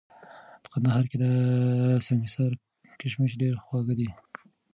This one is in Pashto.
په کندهار کي د سنګحصار کشمش ډېر خواږه دي